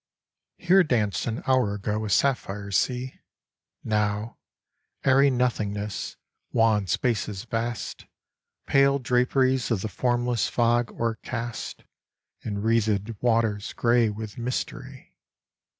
Here danced an hour ago a sapphire sea; Now, airy nothingness, wan spaces vast, Pale draperies of the formless fog o'ercast, And wreathëd waters grey with mystery!